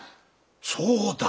そうだ。